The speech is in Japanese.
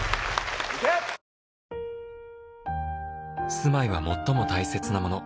「住まいは最も大切なもの」